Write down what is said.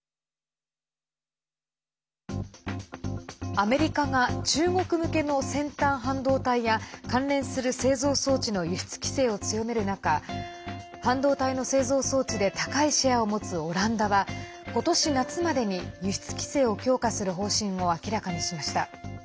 アメリカが中国向けの先端半導体や関連する製造装置の輸出規制を強める中半導体の製造装置で高いシェアを持つオランダは今年夏までに輸出規制を強化する方針を明らかにしました。